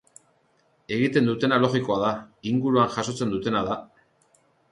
Egiten dutena logikoa da, inguruan jasotzen dutena da.